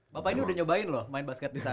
bapak ini udah nyobain loh main basket di sana